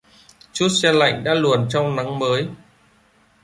Chút se lạnh đã luồn trong nắng mới